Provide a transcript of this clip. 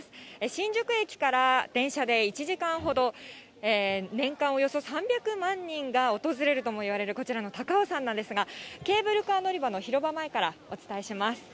新宿駅から電車で１時間ほど、年間およそ３００万人が訪れるともいわれるこちらの高尾山なんですが、ケーブルカー乗り場の広場前からお伝えします。